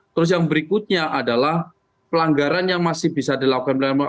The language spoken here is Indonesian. terus yang berikutnya adalah pelanggaran yang masih bisa dilakukan